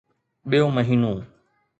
ٻيو مهينو